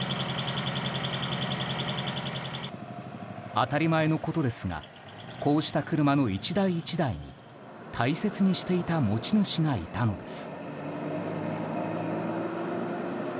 当たり前のことですがこうした車の１台１台に大切にしていた持ち主がいたのです。